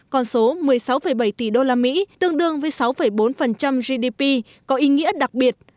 con số một mươi sáu bảy tỷ usd tương đương với sáu bốn gdp có ý nghĩa đặc biệt